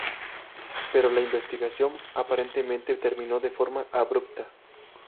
Pero la investigación aparentemente terminó de forma abrupta.